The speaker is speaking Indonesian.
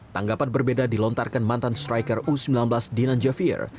tanggapan berbeda dilontarkan mantan striker u sembilan belas dinan javier